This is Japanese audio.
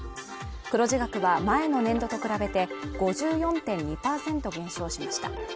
黒字額は前の年度と比べて５４．２％減少しました。